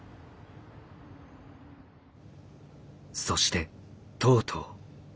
そしてとうとう。